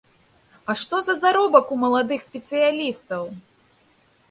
А што за заробак у маладых спецыялістаў!